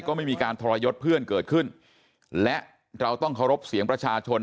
ก็ไม่มีการทรยศเพื่อนเกิดขึ้นและเราต้องเคารพเสียงประชาชน